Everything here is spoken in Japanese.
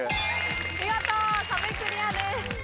見事壁クリアです。